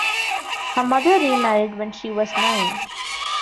Her mother remarried when she was nine.